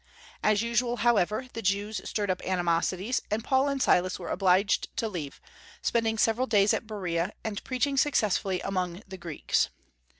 As usual, however, the Jews stirred up animosities, and Paul and Silas were obliged to leave, spending several days at Berea and preaching successfully among the Greeks.